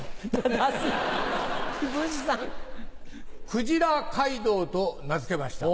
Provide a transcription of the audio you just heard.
クジラ街道と名付けました。